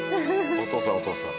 お父さんお父さん。